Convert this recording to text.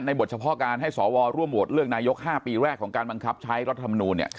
บทเฉพาะการให้สวร่วมโหวตเลือกนายก๕ปีแรกของการบังคับใช้รัฐมนูล